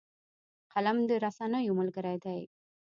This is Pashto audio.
قلم د رسنیو ملګری دی